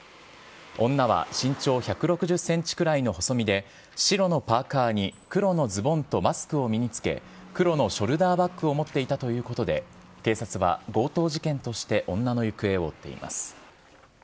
女は身長１６０センチくらいの細身で、白のパーカーに黒のズボンとマスクを身に着け、黒のショルダーバッグを持っていたということで、警察は強盗事件として女の行方を追っています。